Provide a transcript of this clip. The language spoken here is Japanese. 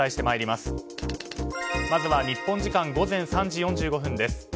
まずは日本時間午前３時４５分です。